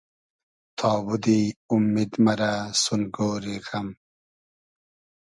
تابوتی اومید مئرۂ سون گۉری غئم